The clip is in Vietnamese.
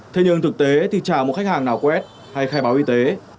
thế nhưng thực tế thì trả một khách hàng nào quét hay khai báo y tế